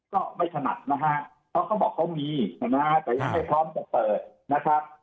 ก็มีนะฮะแต่ยังไม่พร้อมจะเปิดนะครับ